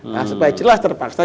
nah supaya jelas terpaksa